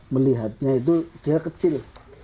melihatnya itu dia kecil